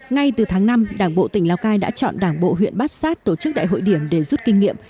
ngay từ tháng năm đảng bộ tỉnh lào cai đã chọn đảng bộ huyện bát sát tổ chức đại hội điểm để rút kinh nghiệm